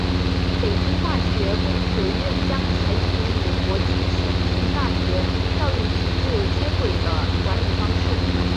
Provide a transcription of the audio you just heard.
北京大学工学院将采取与国际先进大学教育体制接轨的管理模式。